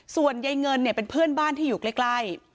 ส่วนยายเงินเนี่ยเป็นเพื่อนบ้านที่อยู่ใกล้